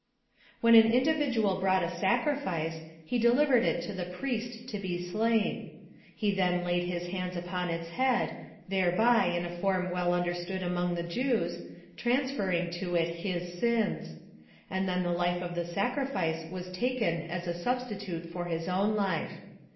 When an individual brought a sacrifice, he de livered it to the priest to be slain. He then laid his hands upon its head, thereby, in a form well under stood among tiie Jews, transferring to it his sins : and then the life of the sacrifice was taken as a sub stitute for his own life.